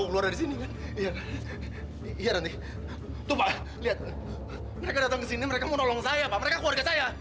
lihat mereka datang kesini mereka mau nolong saya mereka keluarga saya